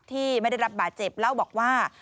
ที่ไม่ได้รับบาดเจ็บเล่าบอกว่า